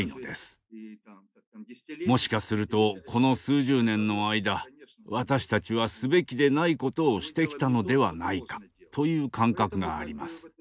もしかするとこの数十年の間私たちはすべきでないことをしてきたのではないかという感覚があります。